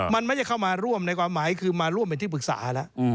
มันไม่ได้เข้ามาร่วมในความหมายคือมาร่วมเป็นที่ปรึกษาแล้ว